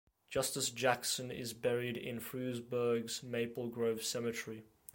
Justice Jackson is buried in Frewsburg's Maple Grove cemetery.